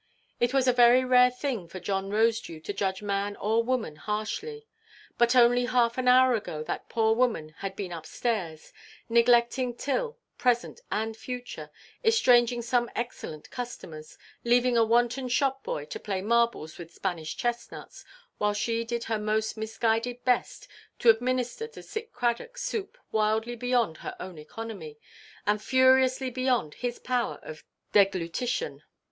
It was a very rare thing for John Rosedew to judge man or woman harshly. But only half an hour ago that poor woman had been up–stairs, neglecting till, present and future, estranging some excellent customers, leaving a wanton shop–boy to play marbles with Spanish chestnuts, while she did her most misguided best to administer to sick Cradock soup wildly beyond her own economy, and furiously beyond his powers of deglutition.